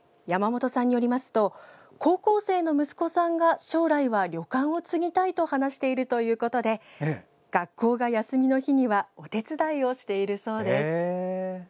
山本さんによりますと高校生の息子さんが将来は旅館を継ぎたいと話しているということで学校が休みの日にはお手伝いをしているそうです。